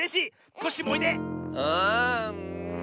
コッシーもおいで！